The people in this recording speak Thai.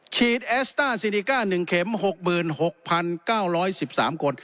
เอสต้าซีดิก้า๑เข็ม๖๖๙๑๓คน